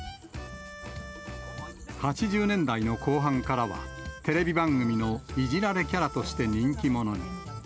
８０年代の後半からは、テレビ番組のいじられキャラとして人気者に。